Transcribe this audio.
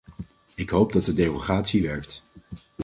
Ik hoop dat de derogatie werkt.